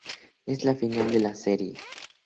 Es el Final de la serie.